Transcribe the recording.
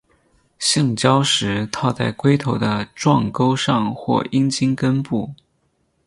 性交时套在龟头的状沟上或阴茎根部。